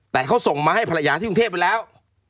แต่เขาส่งมาให้ภรรยาที่กรุงเทพไปแล้ว